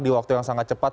di waktu yang sangat cepat